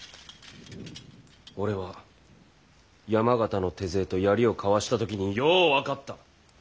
俺は山県の手勢と槍を交わした時によう分かった。